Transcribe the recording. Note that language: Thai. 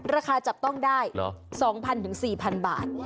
ราคาจับต้องได้๒๐๐๔๐๐บาท